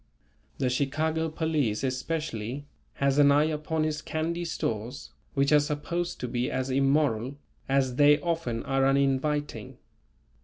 The Chicago police especially, has an eye upon his candy stores which are supposed to be as immoral as they often are uninviting.